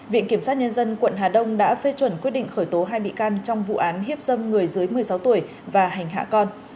viện kiểm sát nhân dân quận hà đông đã phê chuẩn quyết định khởi tố hai bị can trong vụ án hiếp dâm người dưới một mươi sáu tuổi và hành hạ con